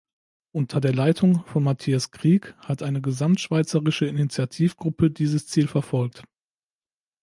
Unter der Leitung von Matthias Krieg hat eine «gesamtschweizerische Initiativgruppe» dieses Ziel verfolgt.